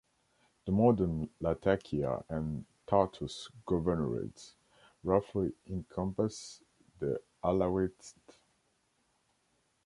The modern Latakia and Tartus Governorates roughly encompass the Alawite State.